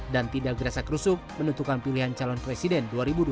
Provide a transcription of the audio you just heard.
dan tidak gerasak rusuk menentukan pilihan calon presiden dua ribu dua puluh empat